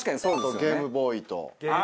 あとゲームボーイと。